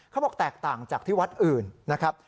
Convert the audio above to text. เขาบอกแตกต่างจากที่วัดอื่นนะครับ